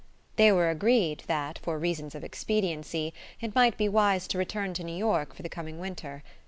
They were agreed that, for reasons of expediency, it might be wise to return to New York for the coming winter.